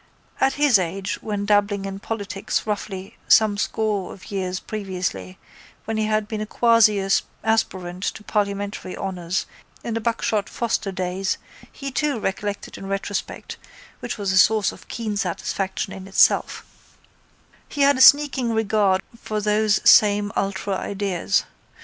At his age when dabbling in politics roughly some score of years previously when he had been a quasi aspirant to parliamentary honours in the Buckshot Foster days he too recollected in retrospect (which was a source of keen satisfaction in itself) he had a sneaking regard for those same ultra ideas.